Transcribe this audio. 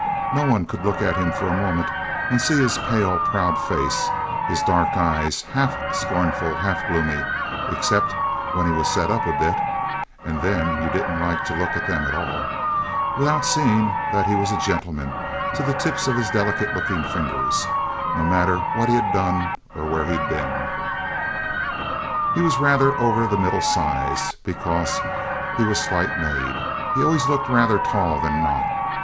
No one could look at him for a moment and see his pale, proud face, his dark eyes half scornful, half gloomy, except when he was set up a bit (and then you didn't like to look at them at all) without seeing that he was a gentleman to the tips of his delicate looking fingers, no matter what he'd done, or where he'd been. He was rather over the middle size; because he was slight made, he always looked rather tall than not.